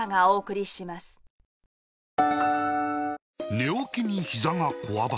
寝起きにひざがこわばる